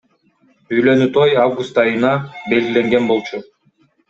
Үйлөнүү той август айына белгиленген болчу.